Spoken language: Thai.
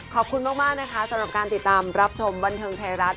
ขอบคุณมากนะคะสำหรับการติดตามรับชมบันเทิงไทยรัฐ